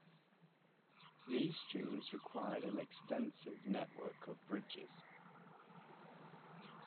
These streams required an extensive network of bridges.